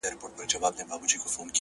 چي پکي روح نُور سي، چي پکي وژاړي ډېر،